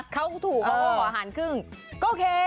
เขาถูกขออาหารครึ่งก็โอเค